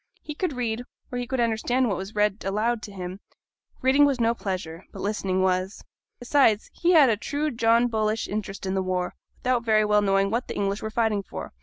He could read, or he could understand what was read aloud to him; reading was no pleasure, but listening was. Besides, he had a true John Bullish interest in the war, without very well knowing what the English were fighting for.